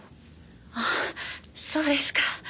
あっそうですか。